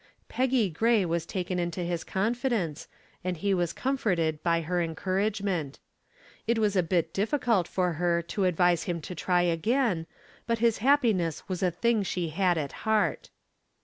Peggy Gray was taken into his confidence and he was comforted by her encouragement. It was a bit difficult for her to advise him to try again, but his happiness was a thing she had at heart.